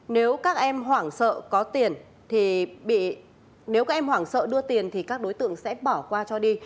nếu các em hoảng sợ có tiền thì nếu các em hoảng sợ đưa tiền thì các đối tượng sẽ bỏ qua cho đi